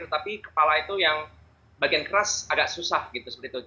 tetapi kepala itu yang bagian keras agak susah gitu seperti itu